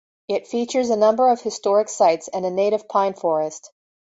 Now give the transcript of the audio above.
It features a number of historic sites and a native pine forest.